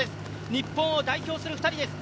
日本を代表する２人です。